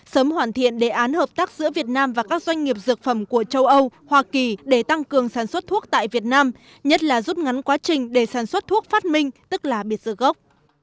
sớm hoàn thiện đề án hợp tác giữa việt nam và các doanh nghiệp dược phẩm của châu âu hoa kỳ để tăng cường sản xuất thuốc tại việt nam nhất là rút ngắn quá trình để sản xuất thuốc phát minh tức là biệt dược gốc